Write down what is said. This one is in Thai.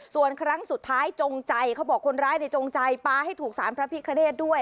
ส่วนครั้งสุดท้ายจงใจเขาบอกคนร้ายในจงใจปลาให้ถูกสารพระพิคเนธด้วย